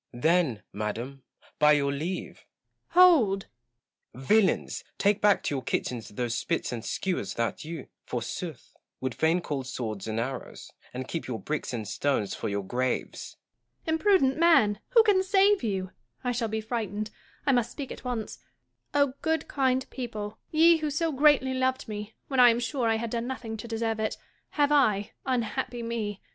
Gaunt. Then, madam, by your leave Joanna. Hold ! Gaunt. Villains ! take back to your kitchens those spits and skewers that you, forsooth, would fain call swords and arrows ; and keep your bricks and stones for your graves ! JOHN OF GAUNT AND JOANNA OF KENT. 79 Joanna. Imprudent man ! who can save you % I shall be frightened : I must speak at once. O good kind people ! ye who so greatly loved me, when I am sure I had done nothing to deserve it, have I (unhappy me